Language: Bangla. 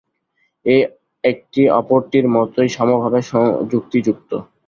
একটি অপরটির মতই সমভাবে যুক্তিযুক্ত।